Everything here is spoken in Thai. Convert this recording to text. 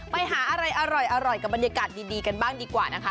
ไปหาอะไรอร่อยกับบรรยากาศดีกันบ้างดีกว่านะคะ